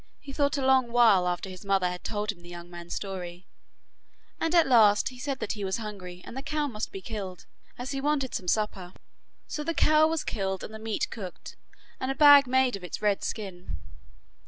He thought a long while after his mother had told him the young man's story, and at last he said that he was hungry, and the cow must be killed, as he wanted some supper. So the cow was killed and the meat cooked, and a bag made of its red skin.